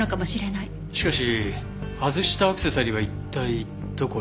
しかし外したアクセサリーは一体どこへ？